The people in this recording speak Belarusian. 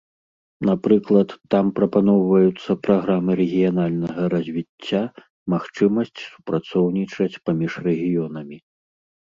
Напрыклад, там прапаноўваюцца праграмы рэгіянальнага развіцця, магчымасць супрацоўнічаць паміж рэгіёнамі.